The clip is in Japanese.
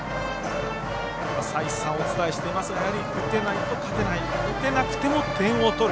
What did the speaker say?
再三お伝えしていますが打てないと勝てない打てなくても点を取る。